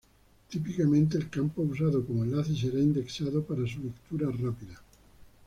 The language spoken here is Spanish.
Típicamente el campo usado como enlace, será indexado para su lectura rápida.